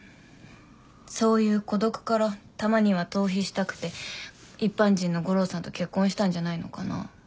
そういう孤独からたまには逃避したくて一般人の悟郎さんと結婚したんじゃないのかな。